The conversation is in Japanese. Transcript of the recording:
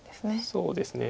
そうですね。